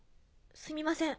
すみません。